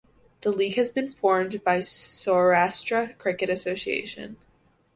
The league has been formed by Saurashtra Cricket Association.